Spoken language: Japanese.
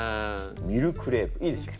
ミルクレープいいでしょ？